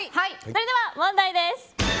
それでは問題です。